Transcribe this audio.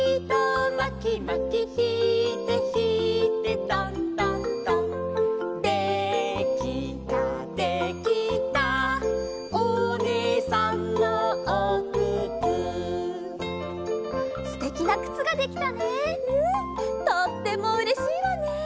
とってもうれしいわね。